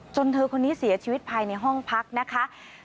เธอคนนี้เสียชีวิตภายในห้องพักนะคะ